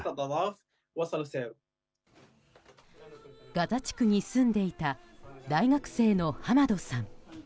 ガザ地区に住んでいた大学生のハマドさん。